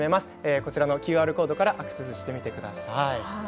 こちらのＱＲコードからアクセスしてみてください。